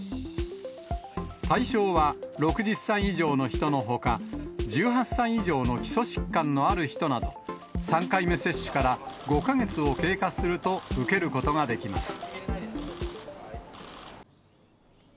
対象は６０歳以上の人のほか、１８歳以上の基礎疾患のある人など、３回目接種から５か月を経過すると、受けることができます。